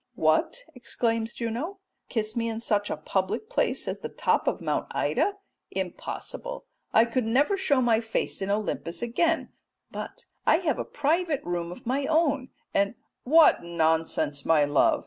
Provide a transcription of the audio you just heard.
"What," exclaims Juno, "kiss me in such a public place as the top of Mount Ida! Impossible! I could never show my face in Olympus again, but I have a private room of my own and" "What nonsense, my love!"